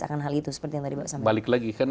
akan hal itu seperti yang tadi mbak saya balik lagi kan